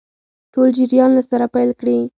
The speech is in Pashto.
ټول جریان له سره پیل کړي.